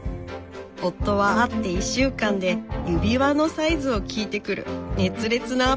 夫は会って１週間で指輪のサイズを聞いてくる熱烈なアプローチでした。